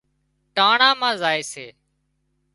ٽانڻا مان زائي سي